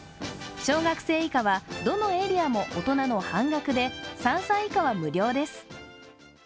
小学生以下はどのエリアも大人の半額で３歳以下は無料です。